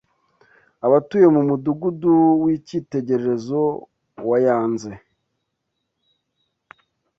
abatuye mu Mudugudu w’icyitegererezo wa Yanze